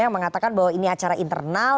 yang mengatakan bahwa ini acara internal